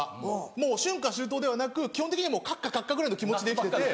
もう春夏秋冬ではなく基本的には「夏夏夏夏」ぐらいの気持ちで生きてて。